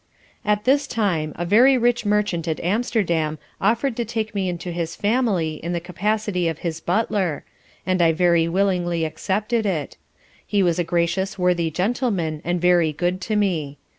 At this time a very rich Merchant at Amsterdam offered to take me into his family in the capacity of his Butler, and I very willingly accepted it. He was a gracious worthy Gentleman and very good to me.